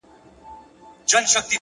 صبر د لویو موخو ملګری دی.!